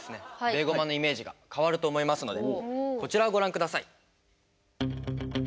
ベーゴマのイメージが変わると思いますのでこちらをご覧下さい！